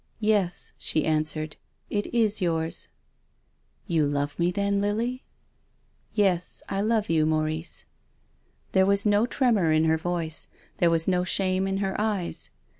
"Yes," she answered. " It is yours." " You love me then, Lily ?" "Yes, I love you, Maurice." There was no tremor in her voice. There was no shame in her eyes.